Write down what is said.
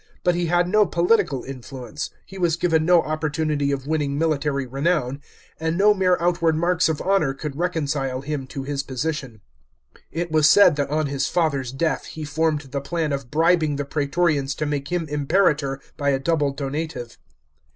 But he had no political influence ; he was given no opportunity of winning military renown ; and no mere outward marks ot honour could reconcile him to hisposiiion. It was said that on his father's death he formed the plan of bribing the praetorians to make him Imperator by a double donative.